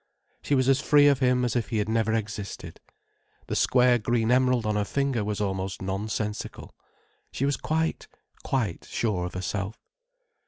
She was as free of him as if he had never existed. The square green emerald on her finger was almost non sensical. She was quite, quite sure of herself.